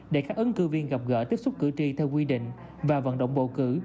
để các ứng cử viên gặp gỡ tiếp xúc cử tri theo quy định và vận động bầu cử